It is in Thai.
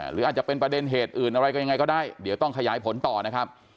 หรืออาจจะเป็นประเด็นเหตุอื่นอะไรก็ยังไงก็ได้เดี๋ยวต้องขยายผลต่อนะครับ